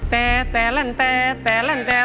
เขาคิดว่าพี่สมแตก